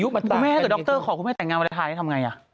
คุณแม่ถึงดรขอคุณแม่แต่งงานวันไทนี่ทำไงอ่ะ